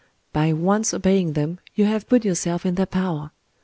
By once obeying them, you have put yourself in their power.